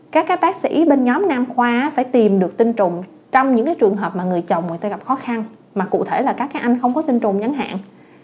các bác sĩ bên nhóm nam khoa phải tìm được tinh trùng trong những trường hợp mà người chồng người ta gặp khó khăn mà cụ thể là các anh không có tinh trùng ngắn hạn